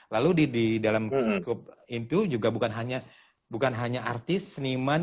lalu di dalam itu juga bukan hanya artis seniman